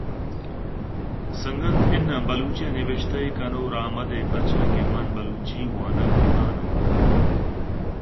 سنگت: اِناں ، بلوچی ءَ نبشتہ ئِے کن ءُ راہ مہ دئے پرچا کہ من بلوچی وانگ نہ زان آں۔